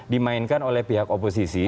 dimainkan oleh pihak oposisi